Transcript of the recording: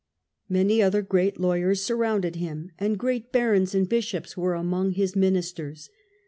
Many other great lawyers surrounded him, and great barons and bishops were among his ministers.